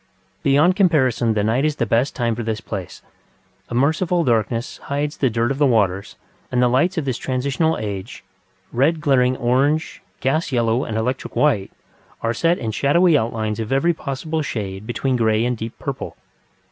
Beyond comparison the night is the best time for this place; a merciful darkness hides the dirt of the waters, and the lights of this transitional age, red glaring orange, gas yellow, and electric white, are set in shadowy outlines of every possible shade between grey and deep purple.